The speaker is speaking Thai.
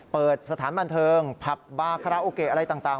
เปิดสถานบันเทิงผับบาคาราโอเกะอะไรต่าง